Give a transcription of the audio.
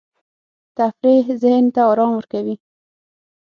تفریح ذهن ته آرام ورکوي.